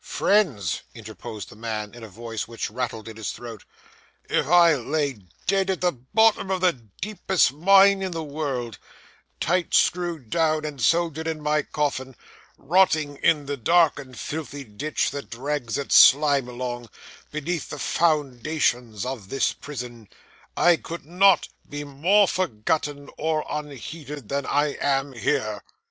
'Friends!' interposed the man, in a voice which rattled in his throat. 'if I lay dead at the bottom of the deepest mine in the world; tight screwed down and soldered in my coffin; rotting in the dark and filthy ditch that drags its slime along, beneath the foundations of this prison; I could not be more forgotten or unheeded than I am here.